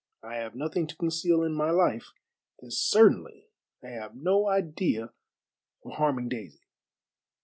I have nothing to conceal in my life, and certainly I have no idea of harming Daisy.